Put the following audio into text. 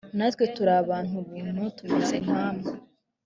natwe turi abantu buntu tumeze nkamwe